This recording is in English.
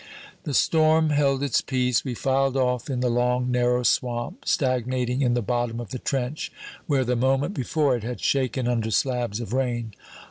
The storm held its peace. We filed off in the long narrow swamp stagnating in the bottom of the trench where the moment before it had shaken under slabs of rain.